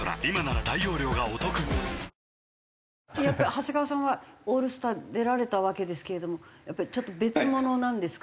長谷川さんはオールスター出られたわけですけれどもやっぱりちょっと別物なんですか？